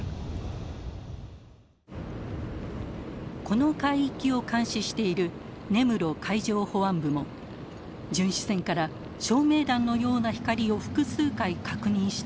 この海域を監視している根室海上保安部も巡視船から照明弾のような光を複数回確認したといいます。